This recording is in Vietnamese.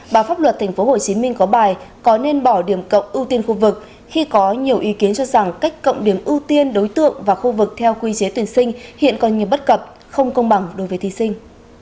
báo pháp luật tp hcm có bài có nên bỏ điểm cộng ưu tiên khu vực khi có nhiều ý kiến cho rằng cách cộng điểm ưu tiên đối tượng và khu vực theo quy chế tuyển sinh hiện còn nhiều bất cập không công bằng đối với thí sinh